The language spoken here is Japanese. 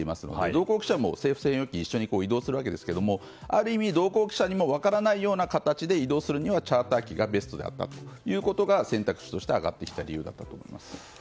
記者も専用機で一緒に移動するわけですがある意味、同行記者にも分からない形ではチャーター機がベストということで選択肢として挙がってきた理由だと思います。